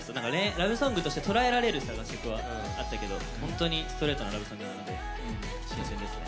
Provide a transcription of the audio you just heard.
ラブソングとして捉えられる楽曲はあったけど本当にストレートなラブソングなので新鮮ですね。